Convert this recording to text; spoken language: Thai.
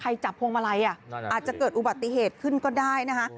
จับพวงมาลัยอาจจะเกิดอุบัติเหตุขึ้นก็ได้นะคะ